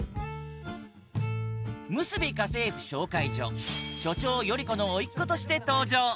むすび家政婦紹介所所長頼子の甥っ子として登場